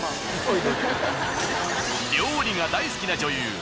料理が大好きな女優